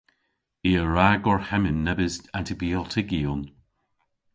I a wra gorhemmyn nebes antibiotygyon.